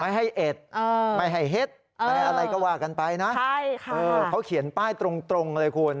ให้เอ็ดไม่ให้เฮ็ดไม่อะไรก็ว่ากันไปนะใช่ค่ะเขาเขียนป้ายตรงเลยคุณ